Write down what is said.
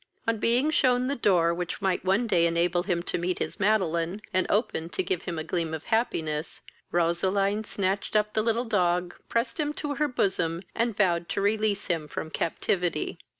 On being shewn the door which might one day enable him to meet his Madeline, and open to give him a gleam of happiness, Roseline snatched up the little dog, pressed him to her bosom, and vowed to release him from captivity.